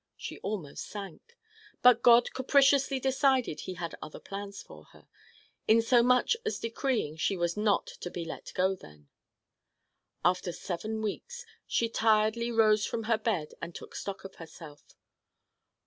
She almost sank. But God capriciously decided he had other plans for her insomuch as decreeing she was not to be let go then. After seven weeks she tiredly rose from her bed and took stock of herself.